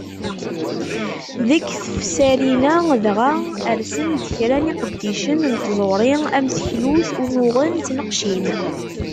Deg tefsarin-a dɣa, rsen-d kra n yiqeddicen n tẓuri am teklut, unuɣen d tneqcin.